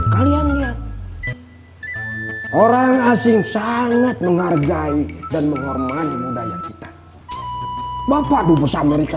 kalian lihat orang asing sangat menghargai dan menghormati budaya kita bapak dubes amerika